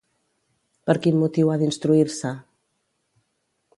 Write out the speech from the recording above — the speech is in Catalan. Per quin motiu ha d'instruir-se?